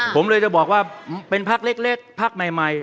ผมเลยจะบอกว่าเป็นพักเล็กพักใหม่